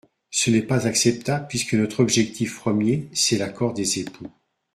Ce n’est pas acceptable, puisque notre objectif premier, c’est l’accord des époux.